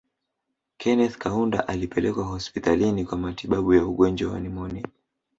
Kenneth Kaunda alipelekwa hospitalini kwa matibabu ya ugonjwa wa nimonia